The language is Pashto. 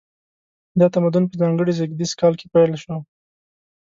دا تمدن په ځانګړي زیږدیز کال کې پیل شو.